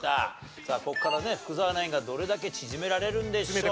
さあここからね福澤ナインがどれだけ縮められるんでしょうか。